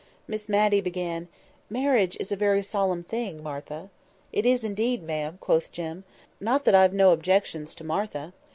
Miss Matty began— "Marriage is a very solemn thing, Martha." "It is indeed, ma'am," quoth Jem. "Not that I've no objections to Martha."